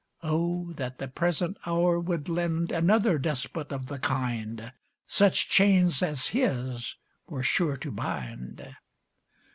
Oh that the present hour would lend Another despot of the kind! Such chains as his were sure to bind.